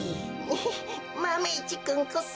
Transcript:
フッマメ１くんこそ。